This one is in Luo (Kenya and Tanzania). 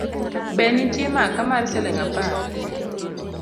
Be nitie maka mar siling’ apar?